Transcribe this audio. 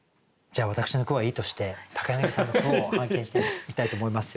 じゃあ私の句はいいとして柳さんの句を拝見していきたいと思います。